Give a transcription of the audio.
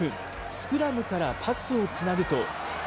スクラムからパスをつなぐと。